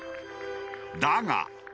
だが。